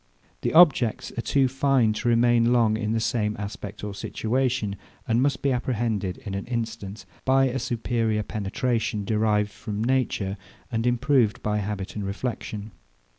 The objects are too fine to remain long in the same aspect or situation; and must be apprehended in an instant, by a superior penetration, derived from nature, and improved by habit and reflexion.